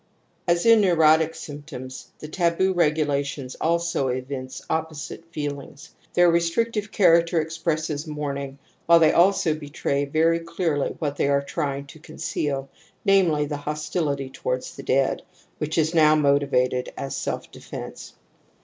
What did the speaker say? As in neurotic sjrmptoms, the taboo regula tions also evince opposite feelings. Their restric tive character expresses mourning, while they also betray very clearly what they are trying to conceal, namely, the hostility towards the dead, which is now motivated as self defence.